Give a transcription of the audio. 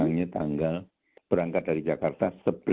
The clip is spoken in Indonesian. barangnya tanggal berangkat dari jakarta sebelas sebelas dua ribu dua puluh dua